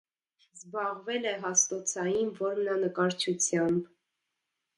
Զբաղվել է հաստոցային որմնանկարչությամբ։